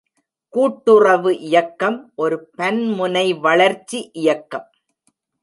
கூட்டுறவு இயக்கம் ஒரு பன்முனை வளர்ச்சி இயக்கம்.